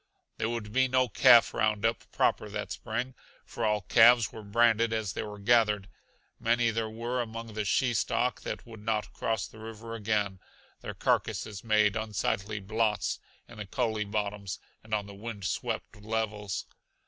There would be no calf roundup proper that spring, for all calves were branded as they were gathered. Many there were among the she stock that would not cross the river again; their carcasses made unsightly blots in the coulee bottoms and on the wind swept levels.